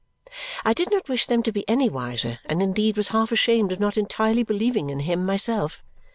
I did not wish them to be any wiser and indeed was half ashamed of not entirely believing in him myself.